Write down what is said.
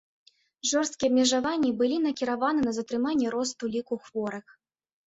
Жорсткія абмежаванні былі накіраваны на затрыманне росту ліку хворых.